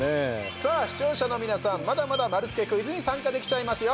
さあ、視聴者の皆さんまだまだ丸つけクイズに参加できちゃいますよ！